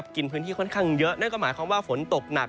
กินพื้นที่ค่อนข้างเยอะนั่นก็หมายความว่าฝนตกหนัก